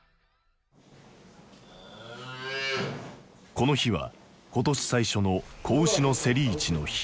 この日は今年最初の子牛の競り市の日。